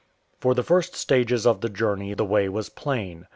For the first stages of the journey the way was plain.